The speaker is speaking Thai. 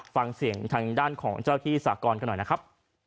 ฟังเสียงทางด้านของเจ้าหน้าที่สากรได้มีอีกหน่อยนะครับ